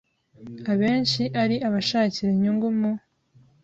abenshi ari abashakira inyungu mu